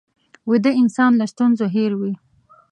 ویده انسان له ستونزو هېر وي